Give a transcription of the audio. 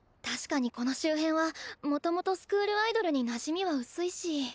確かにこの周辺はもともとスクールアイドルになじみは薄いし。